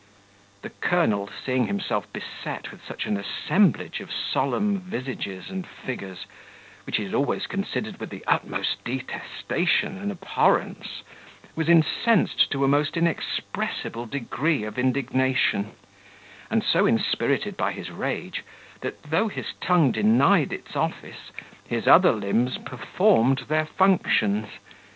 The colonel seeing himself beset with such an assemblage of solemn visages and figures, which he had always considered with the utmost detestation and abhorrence, was incensed to a most inexpressible degree of indignation; and so inspirited by his rage, that though his tongue denied its office, his other limbs performed their functions.